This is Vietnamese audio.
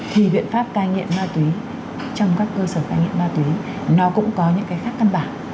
thì biện pháp cai nghiện ma túy trong các cơ sở cai nghiện ma túy nó cũng có những cái khác căn bản